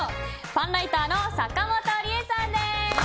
パンライターの坂本リエさんです。